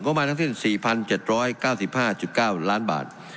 ก็มาทั้งที่๔๗๙๕๙ล้านบาท